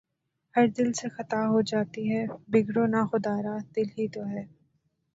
ہر دل سے خطا ہو جاتی ہے، بگڑو نہ خدارا، دل ہی تو ہے